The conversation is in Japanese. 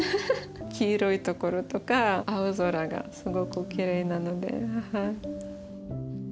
黄色いところとか青空がすごくきれいなので。